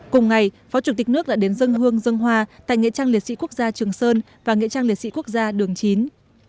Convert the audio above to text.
cùng ngày phó chủ tịch nước đã đến dân hương dân hoa tại nghệ trang liệt sĩ quốc gia trường sơn và nghệ trang liệt sĩ quốc gia đường chín